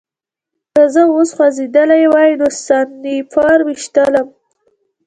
که زه اوس خوځېدلی وای نو سنایپر ویشتلم